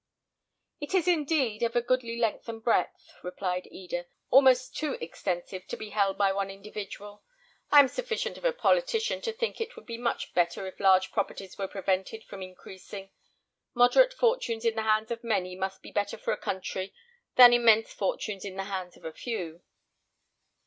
"It is, indeed, of a goodly length and breadth," replied Eda; "almost too extensive to be held by one individual. I am sufficient of a politician to think it would be much better if large properties were prevented from increasing. Moderate fortunes in the hands of many must be better for a country than immense fortunes in the hands of a few."